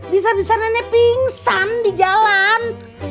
bisa bisa nenek pingsan di jalan